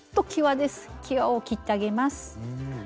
きわを切ってあげます。